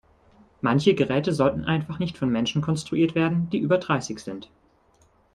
Manche Geräte sollten einfach nicht von Menschen konstruiert werden, die über dreißig sind.